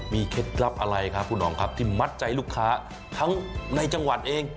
มีเคล็ดลับอะไรครับที่มัดใจลูกค้าทั้งในจังหวัดเอง